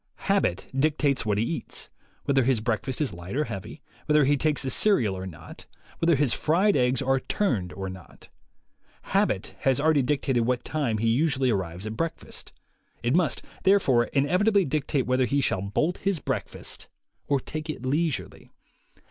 Habit dictates what he eats, whether his breakfast is light or heavy, whether he takes a cereal or not, whether his fried egg$ are turned or not. Habit has already dictated what time he usually arrives at breakfast; it must, therefore, inevitably dictate whether he shall bolt his breakfast 68 THE WAY TO WILL POWER or take it leisurely.